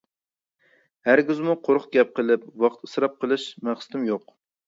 ھەرگىزمۇ قۇرۇق گەپ قىلىپ ۋاقىت ئىسراپ قىلىش مەقسىتىم يوق.